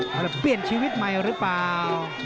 จะเปลี่ยนชีวิตใหม่หรือเปล่า